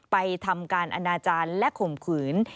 ไปทำการอนาจารย์และข่มขืน